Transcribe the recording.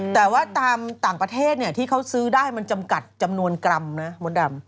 แต่ว่าตามต่างประเทศที่เขาซื้อได้มันจำกัดจำนวนกรัมนะมดดำ